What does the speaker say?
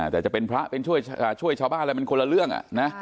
แต่จะเป็นพระช่วยชาวบ้านมันคนละเรื่อง